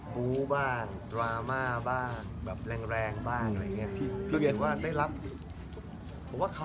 ดูมาริลาสิครับ